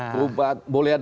boleh ada pengambilan